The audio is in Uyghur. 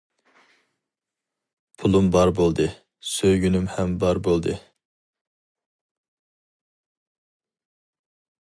پۇلۇم بار بولدى، سۆيگۈنۈم ھەم بار بولدى.